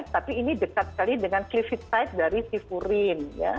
tapi ini dekat sekali dengan clivit side dari si furin